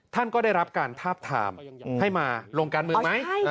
ท่านก็ได้รับการทาบทามให้มาลงการเมืองไหม